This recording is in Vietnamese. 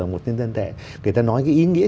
một nhân dân tệ người ta nói cái ý nghĩa